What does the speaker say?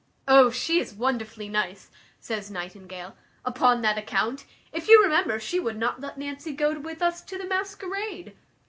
"Oh! she is wonderfully nice," says Nightingale, "upon that account; if you remember, she would not let Nancy go with us to the masquerade."